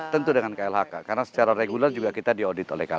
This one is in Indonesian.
tentu dengan klhk karena secara reguler juga kita di audit oleh klhk